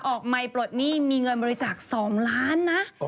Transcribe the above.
ออกใหม่ปลดหนี้มีเงินบริจาค๒ล้านนะ